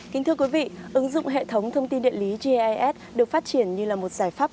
kính thưa quý vị ứng dụng hệ thống thông tin điện lý gis được phát triển như là một giải pháp